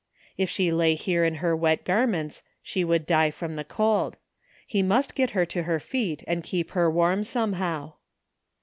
If she lay here in her wet garments she would die. from the cold. He must get her to her feet and keep her warm somehow.